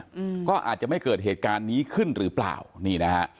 อืมก็อาจจะไม่เกิดเหตุการณ์นี้ขึ้นหรือเปล่านี่นะฮะ